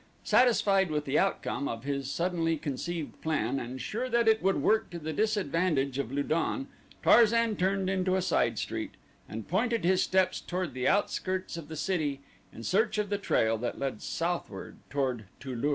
Satisfied with the outcome of his suddenly conceived plan and sure that it would work to the disadvantage of Lu don, Tarzan turned into a side street and pointed his steps toward the outskirts of the city in search of the trail that led southward toward Tu lur.